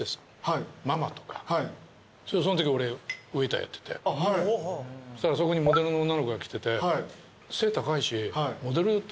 そんとき俺ウエーターやっててそしたらそこにモデルの女の子が来てて。